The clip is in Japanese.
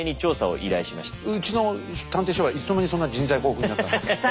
うちの探偵所はいつの間にそんな人材豊富になったんですか？